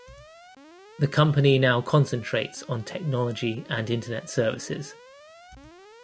The company now concentrates on technology and internet services.